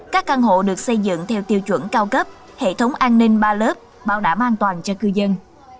các căn hộ được xây dựng theo tiêu chuẩn cao cấp hệ thống an ninh ba lớp bảo đảm an toàn cho cư dân